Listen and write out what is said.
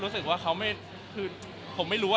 คือแฟนคลับเขามีเด็กเยอะด้วย